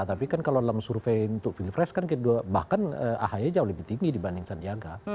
tapi kan kalau dalam survei untuk pilpres kan bahkan ahy jauh lebih tinggi dibanding sandiaga